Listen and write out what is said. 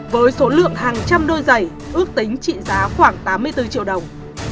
với số lượng hàng trăm đôi giày ước tính trị giá khoảng tám mươi bốn triệu đồng